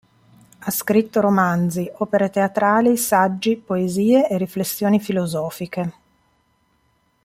Ha scritto romanzi, opere teatrali, saggi, poesie e riflessioni filosofiche.